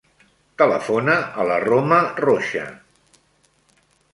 Telefona a la Roma Rocha.